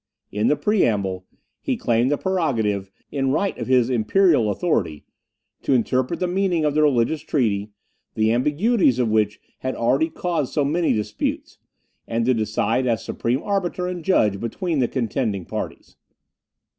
In the preamble, he claimed the prerogative, in right of his imperial authority, to interpret the meaning of the religious treaty, the ambiguities of which had already caused so many disputes, and to decide as supreme arbiter and judge between the contending parties.